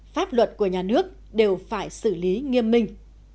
pháp luật của nhà nước đều phải xử lý nghiêm minh